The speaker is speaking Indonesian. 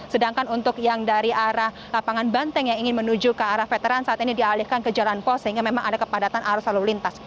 sedangkan untuk yang dari arah lapangan banteng yang ingin menuju ke arah veteran saat ini dialihkan ke jalan pos sehingga memang ada kepadatan arus lalu lintas